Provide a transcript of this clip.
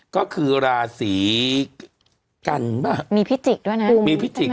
ก็คือราศีกันป่ะมีพิจิกด้วยนะมีพิจิก